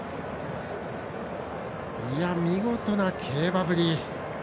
見事な競馬ぶり。